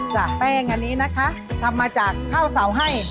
จากแป้งอันนี้นะคะทำมาจากข้าวเสาให้